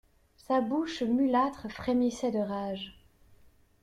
Sa bouche mulâtre frémissait de rage.